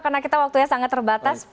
karena kita waktunya sangat terbatas